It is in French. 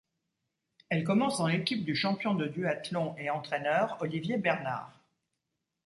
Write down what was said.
Elle commence dans l'équipe du champion de duathlon et entraineur Olivier Bernhard.